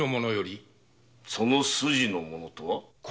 「その筋の者」とは？